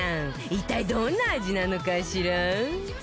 一体どんな味なのかしら？